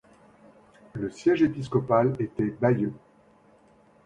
Le siège épiscopal était Bayeux.